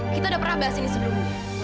kita udah pernah bahas ini sebelumnya